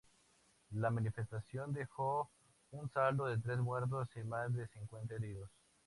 La manifestación dejó un saldo de tres muertos y más de cincuenta heridos.